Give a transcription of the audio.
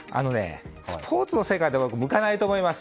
スポーツの世界には向かないと思います。